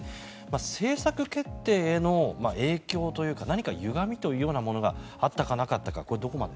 政策決定への影響というか何かゆがみというようなものがあったか、なかったか。